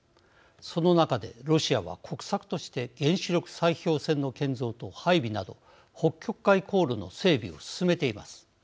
その中でロシアは国策として原子力砕氷船の建造と配備など北極海航路の整備を進めています。